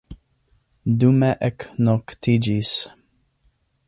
Dume eknoktiĝis.